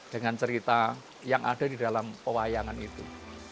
dengan cerita yang ada di dalam pewayangan itu